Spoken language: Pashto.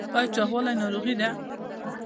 ایا چاغوالی ناروغي ده؟